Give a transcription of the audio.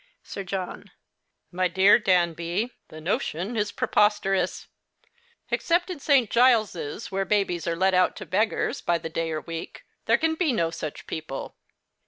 Sir Johx. My dear Danby, the notion is preposterous, — except in St. Giles's, where babies are let out to beggars by the day or week, there can be no such people.